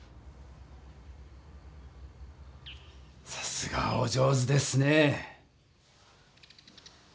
さすがお上手ですね。